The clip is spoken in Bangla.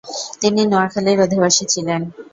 তিনি নোয়াখালীর অধিবাসী ছিলেন।